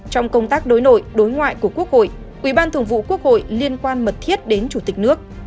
trong công tác đối nội đối ngoại của quốc hội ủy ban thường vụ quốc hội liên quan mật thiết đến chủ tịch nước